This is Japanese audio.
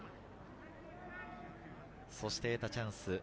そして得たチャンス。